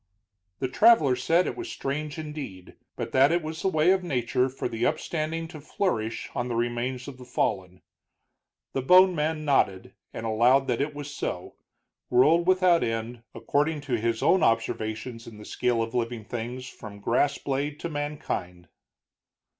The traveler said it was strange, indeed, but that it was the way of nature for the upstanding to flourish on the remains of the fallen. The bone man nodded, and allowed that it was so, world without end, according to his own observations in the scale of living things from grass blade to mankind.